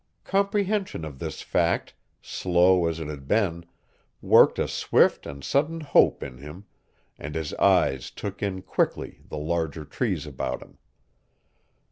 Comprehension of this fact, slow as it had been, worked a swift and sudden hope in him, and his eyes took in quickly the larger trees about him.